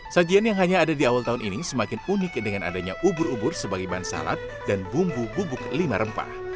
sajian yang hanya ada di awal tahun ini semakin unik dengan adanya ubur ubur sebagai bahan salad dan bumbu bubuk lima rempah